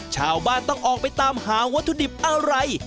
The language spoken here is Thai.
ชาวบ้านต้องออกไปตามหาวัตถุดิบอะไร